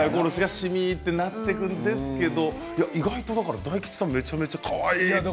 しみっとなってくるんですけれども意外と大吉さんめちゃめちゃかわいいって。